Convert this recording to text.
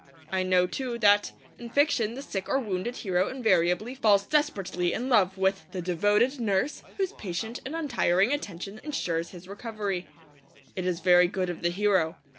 I know, too, that, in fiction, the sick or wounded hero invariably falls desperately in love with the devoted nurse whose patient and untiring attention ensures his recovery. It is very good of the hero.